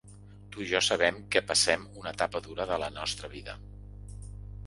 Tu i jo sabem que passem una etapa dura de la nostra vida.